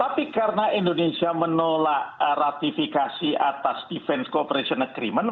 tapi karena indonesia menolak ratifikasi atas defense cooperation agreement